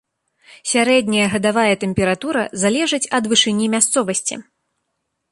Сярэдняя гадавая тэмпература залежыць ад вышыні мясцовасці.